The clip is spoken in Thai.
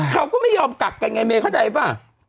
เขาก็ไม่ยอมกักกันไงเมย์เข้าใจป่ะ